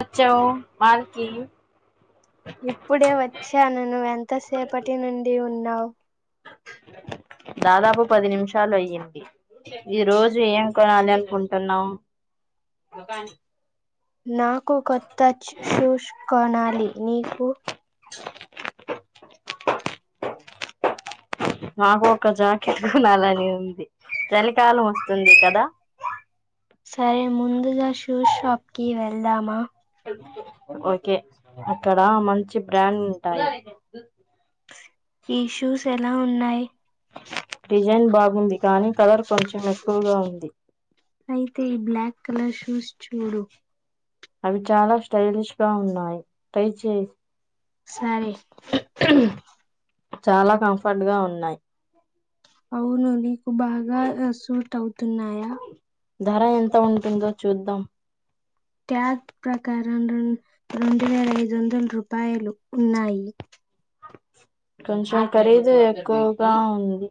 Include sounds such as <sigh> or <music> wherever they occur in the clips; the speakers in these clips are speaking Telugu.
వచ్చావు మాల్కి ఇప్పుడే వచ్చాను నవు ఎంతసేపటి నుండి ఉన్నా నావు జ <unintelligible> దాదాపు పది నిమిషాలు అయ్యింది. జ్ <unintelligible> ఈ రోజు ఏం కొనెలె కుంటున్నావు <unintelligible> నాకు కొత్త షూస్ కొనాలి నీకు మాకు ఒక జాకెట్ కొనాలని ఉంది. చలికాలం వస్తుంది కదా సరే ముందుగా షూస్ షాప్కి వెళ్దామా ఓకే అక్కడ మంచి బ్రాండ్ ఉంటయి. ఈ షూస్ ఎలా ఉన్నాయి? బాగుంది కానీ కలర్ కొంచెం ఎక్కువగా <unintelligible> ఉంది అయితే ఈ బ్లాక్ అలా షూస్ చూడు అవి చాలా స్టలిష్ గా ఉన్నాయి టై చే సరే చాలా కంఫర్ట్ గా ఉం న్నాయి అవునండి బాగా సూట్ అవుతున్నాయా ధర ఎంత ఉంటుందో చూద్దాం ట్యాగ్ ప్రక అవునా రెండు వేల ఐదు వందల రూపాయలు ఉన్నాయి కొంచెం ఖరీదు ఎక్కువ రా అంది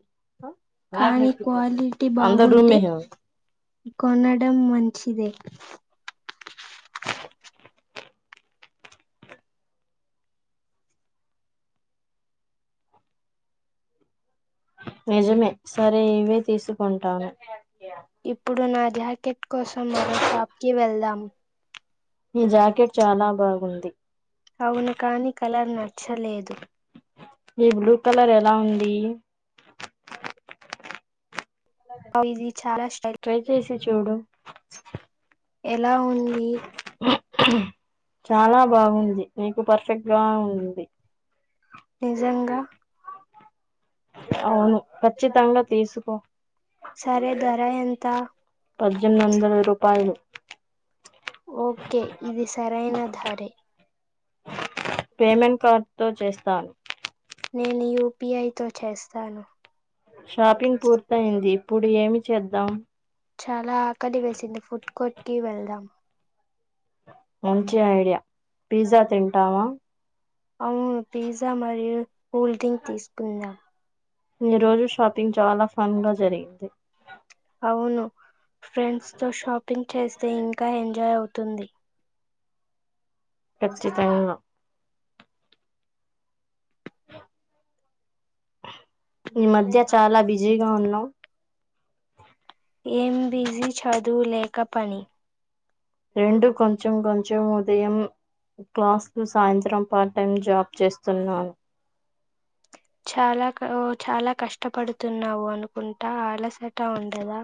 కానీ క్వాలిటీ అందరూ బాగుంటే రూమే హో కొనడం మం పచ్చిదే నిజమే సరే ఇవే తీస్కుంటాను ఇప్పుడు నాక్ జాకెట్ కోసం మరో షాప్కి వెళ్దామ్ మీ జాకట్ చాలా బాగుంది అవును కాని కలర్ నచ్చలేదు ఈ బ్లూ కలర్ ఎలా ఉంది ఐజి ట్రై చేసి చూడు ఎలా ఉంది చాలా బాగుంది నీకు పర్ఫెక్ట్ గా ఉంది నిజంగా అవును ఖచ్చితంగా తీసుకో సరే ధర ఎంత పజ్జెధ్మ్ వందల రూపాయలు ఒకే ఇది సరైన ధరే పేమెంట్ కా తో చేస్తాన్ నేను యు పి ఐ తో చేస్తాను షాపింగ్ పూర్తయింది ఇప్పుడు ఏమి చేద్దామ్ చాలా అక్ కలి వేసింది ఫుడ్ కోట్ కి వెళ్దమ్ మంచి ఐడియ పిజ్జా తిన్టావా అవును పిజ్జా మరియు కూల్ డ్రింక్ తీసుకున్దామ్ ఈ రోజు షాపింగ్ చాలా ఫన్గా జరిగింది ఔను ఫ్రెండ్స్తో షాపింగ్ చేస్తే ఇంకా ఎంజాయ్ అవుతున్ ది ఖచ్చితన్ గా ఈ మధ్య చాలా బిజీగా ఉన్నవ్ ఎంబిజీ చదువులే రెండు కొంచెం కొంచం కొంచం ఉదయం క్లాస్ సాయంత్రం పార్ట్ టైం జాబ్ చేస్తున్నాను చాలా క ఓ చాలా కష్టపడుతున్నావు అనుకుంటా అలసట ఉండదా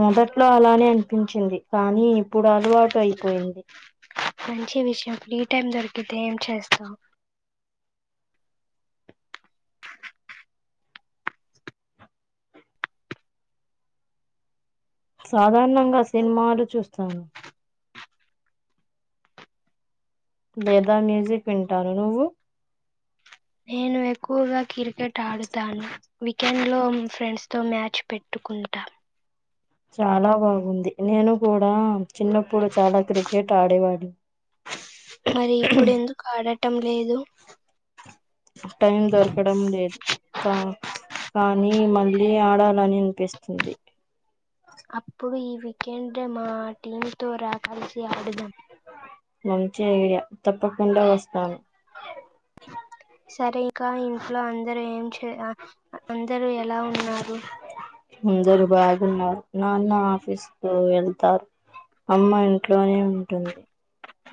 మొదట్లో అలానే అనిపించింది కానీ ఇప్పుడు అలవాటు అయిపోయింది మంచి విషయం ఫ్రీ టైమ్ దొరికితే ఏం చేస్తావు సాధారణంగా సినిమాలు చూస్తాను లేదా మ్యూజిక్ వింటాను నువ్వు నేను ఎక్కువగా క్రికెట్ ఆడుతాను వీకెండ్ లో ఫ్రెండ్స్ తో మ్యాచ్ పెట్టుకుంటా చాలా బాగుంది నేను కూడా చిన్నప్పుడు చాలా క్రికెట్ ఆడేవాడు టం లేదు టైం దొరకడం లేదు కా కానీ మళ్ళీ ఆడాలని అనిపిస్తుంది అప్పుడు ఈ వీకెండ్ మా టీమ్ త్వ రా కలిసి చేద్దాం మంచి ఐడియా తప్పకుండ వస్తాను సరే ఇక ఇంట్లో అందరుూ ఏం చే అందరూ ఎలా ఉన్నారు జరు బాగున్నా నాన్న ఆఫీస్ కు వెళ్తారు అమ్మ ఇంట్లోనే ఉంటుంది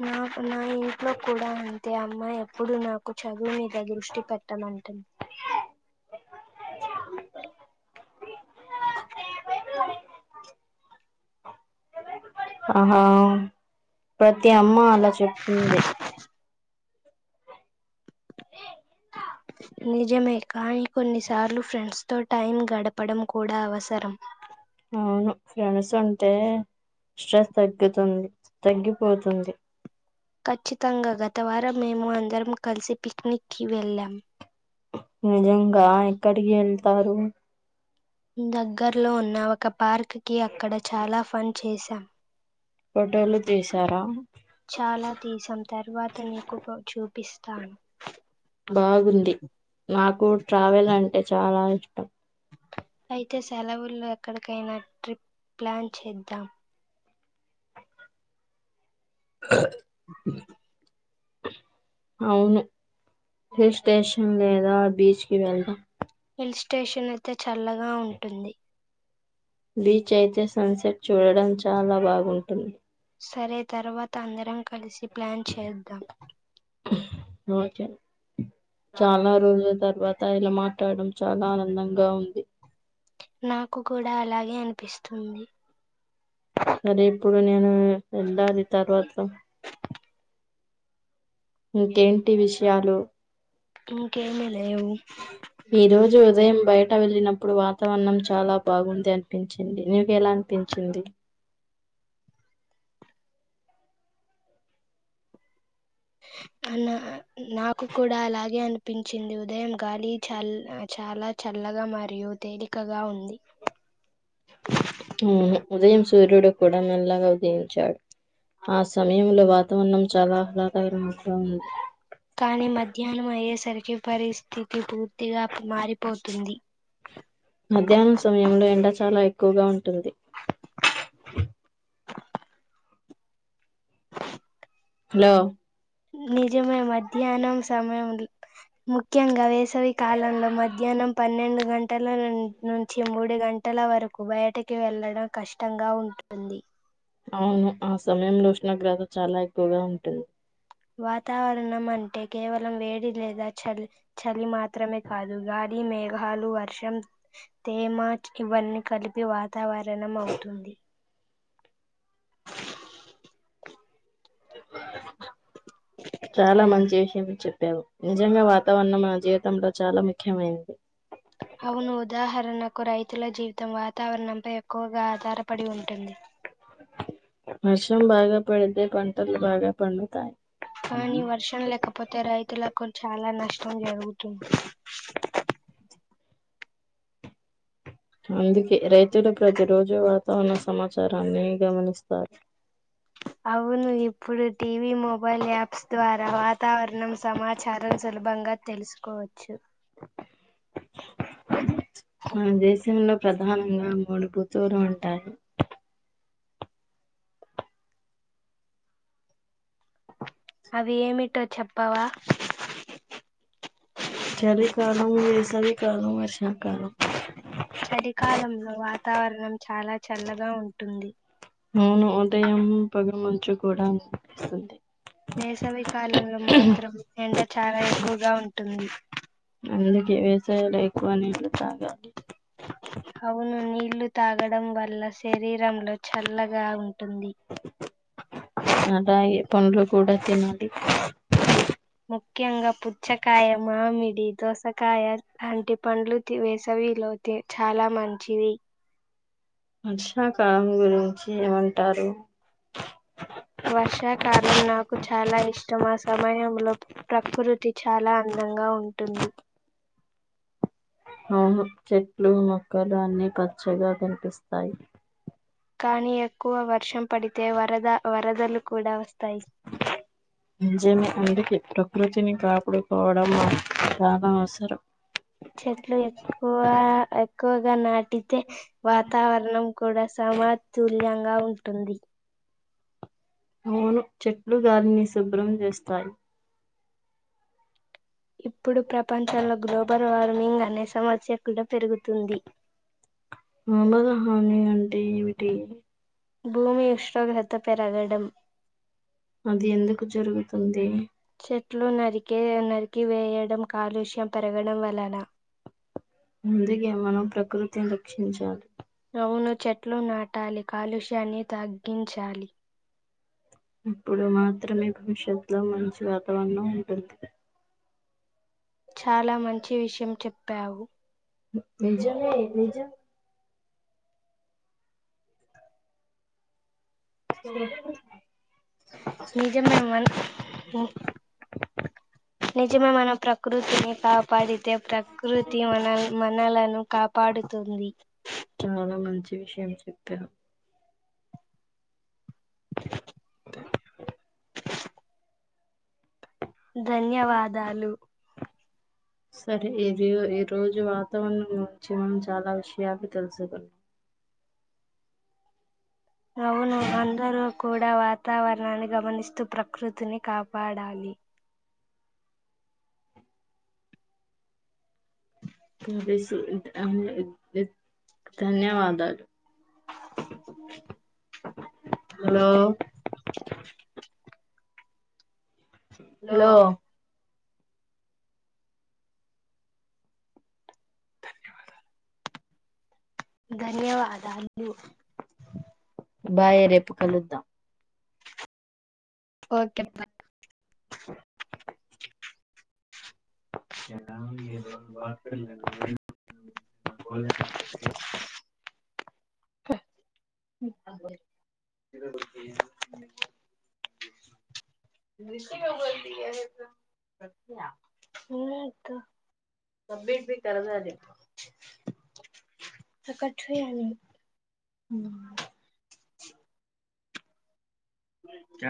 నాకు నా ఇంట్లో కూడా అంతే అమ్మ ఎప్పుడు నాకు చదువు మీద దృష్టి పెట్టనంటుంది <unintelligible> ఆహా ప్రతి అమ్మ అలా చెప్తుంది నిజమే కానీ కొన్నిసార్లు ఫ్రెండ్స్ తో టైం గడపడం కూడా అవసరం అవును ఫ్రెండ్స్ ఉంటే స్ట్రెస్ తగ్గుతుంది తగ్గిపోతుంది ఖచ్చితంగా గత వారం మేము అందరం కలిసి పిక్నిక్కిి వెళ్ళాం నిజంగా ఎక్కడికి ఏళ్ తారు దగ్గర్లో ఉన్న ఒక పార్క్ కి అక్కడ చాలా పని చేసాం ఫోటోలు తీసారా చాలా తీసాం తర్వాత నీకు కూడా చూపి పిస్తాన్ బాగుంది నాకు ట్రావెల్ అంటే చాలా ఇష్టం అయితే సెలవుల్లో ఎక్కడికైనా ట్రిప్ ప్లాన్ చేద్దాం అ అవును హిల్ స్టేషన్ లేదా బీచ్ కి వెళ్దాం హిల్ స్టేషన్ అయితే చల్లగా ఉంటుంది బీచ్ అయితే సన్సెట్ చూడడం చాలా బాగుంటుంది సరే తర్వాత అందరం కలిసి ప్లాన్ చేద్దాం క రోచల్ చాలా రోజుల తర్వాత ఇలా మాట్ ఆట్టాడం చాలా ఆనందంగా ఉంది నాకు కూడా అలాగే అనిపిస్తుంది అరే ఇప్పుడు నేనూ వెళ్ళాలి తర్వాత ఇంకేంటి విషయాలు ఇంకేమీ లేవు ఈ రోజు ఉదయం బయట తను వెళ్ళినప్పుడు వాతావరణం చాలా బాగుంది అనిపించింది నీకు ఎలా అనిపించింది నా నాకు కూడా అలాగే అనిపించింది ఉదయం గాలి చల్ చాలా చల్లగా మరియు తేలికగా ఉంది ఉమ్ ఉదయం సూర్యుడు కూడా మెల్లగా ఉదయించాడు ఆ సమయంలో వాతావరణం చాలా ఆహ్లాదకరము గా ఉంది కానీ మధ్యాహ్నం అయ్యేసరికి పరిస్థితి పూర్తిగా మారిపోతుంది మధ్యాహ్నం సమయంలో ఎండ చాలా ఎ ఎక్కువగా ఉంటుంది హలో <unintelligible> నిజమే మధ్యాహ్నం సమయం ముఖ్యంగా వేసవి కాలంలో మధ్యాహ్నం పన్నెండు గంటల నుంచి మూడు గంటల వరకు బయటకి వెళ్ళడం కష్టంగా ఉంటుంది అవును ఆ సమయంలో ఉష్ణోగ్రత చాలా ఎక్కువగా ఉంటుంది వాతావరణం అంటే కేవలం వేడి లేదా చలి చలి మాత్రమే కాదు గాలి మేఘాలు వర్షం తేమ ఇవన్నీ కలిపి వాతావరణం అవుతుంది చాలా మంచి విషయం చెప్పావు నిజంగా వాతావరణం మన జీవి తంలో చాలా ముఖ్యమైంది అవును ఉదాహరణకు రైతుల జీవితం వాతావరణంపై ఎక్కువగా ఆధారపడి ఉంటుంది వర్షం బాగా పడితే పంటలు బాగా పండుతాయి కానీ వర్షం లేకపోతే రైతులకు చాలా నష్టం పంజాగుట్ట అందుకే రైతులు ప్రతి రోజు వాతావరణ సమాచారాన్ని గమనిస్తారు. అవును ఇప్పుడు టీవీ మొబైల్ యాప్స్ ద్వారా వాతావరణం సమాచారం సులభంగా తెలుసుకోవచ్చు. మనం జెసిం లో ప్రధానంగా మూడు ఋతువులు ఉంటాయి అవి ఏమిటో చెప్పావా చలికాలం వేసవికాలం వర్షాకాలం చలికాలం వాతావరణం చాలా చల్లగా ఉంటుంది అవును ఉదయం పగ మంచు కూడాపిస్తుంది వేసవి కాలంలో మాత్రం ఎండ చాలా ఎక్కువగా ఉంటుంది అందుకే వేసవిలో ఎక్కువగా నీళ్లు తాగాలి అవును నీళ్లు తాగడం వల్ల శరీరంలో చల్లగా ఉన్ అంటా పండ్లు కూడా తినాలి ముఖ్యంగా పుచ్చకాయ మామిడి దోసకాయ లాంటి పండ్లు వేసవిలో చాలా మంచివి ఆర్షా కమ్ గురించి ఎం అంటారు వర్షాకాలం నాకు చాలా ఇష్టం ఆ సమయంలో ప్రకృతి చాలా అందంగా ఉంటుంది చెట్లు మొక్కలు అన్ని పచ్చగా కనిపిస్తాయి కానీ ఎక్కువ వర్షం పడితే వరద వరదలు కూడా వస్ అంజెము ముందుకిట్టో ప్రకృతిని కాపుడుకోవడం బాగా అవసరం చెట్లు ఎక్కువ ఎక్కువ నాటి వాతావరణం కూడా సమతుల్యంగా ఉంటుంది అవును చెట్లు గాలిని శుభ్రం చేస్తాయి ఇప్పుడు ప్రపంచంలో గ్లోబల్ వార్మింగ్ అనే సంవత్సరం చక్కడ తిరుగుతుంది. ఆ బ హాని అడి ఏమిటి భూమి ఇష్టగత పెరగడం అది ఎందుకు జరుగుతుంది చెట్లు నరికే నరికివేయడం కాలుష్యం పెరగడం వలన ముందుకే మనం ప్రకృతిని రక్షించాలి అవును చెట్లు నాటాలి కాలుష్యాన్ని తగ్గించాలి ఇప్పుడు మాత్రమే భవిష్యత్లో మంచి వాతావరణం ఉంటుంది చాలా మంచి విష్ ఎం చెప్పావు నిజమే నిజం చెప్పు. నిజమే మన నిజమే మన ప్రకృతిని. తప్ పడితే ప్రకృతి మనల్ మనలను కాపాడుతుంది చాలా మంచి విషయం చెప్పావ్ ధన్యవాదాలు సరే ఇరొ ఈ రోజు వాతావరణం గురించి మనం చాలా విషయాలు తెలుసుకున్నాం. అవును అందరూ కూడా వాతావరణాన్ని గమనిస్తూ ప్రకృతిని కాపాడాలి తెలుసు <unintelligible> ధన్యవాదాలు హలో హలో ధన్యవాదాలు బాయ్ ఏ రేపు కలుద్దాం ఓకేనా బ <unintelligible> <unintelligible> <unintelligible> <unintelligible> <unintelligible> హమ్ చ